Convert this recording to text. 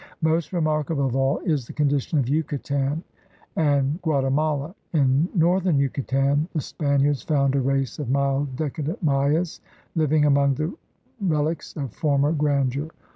Most remarkable of all is the condition of Yucatan and Guatemala. In northern Yucatan the Span iards found a race of mild, decadent Mayas living among the relics of former grandeur.